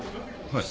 はい。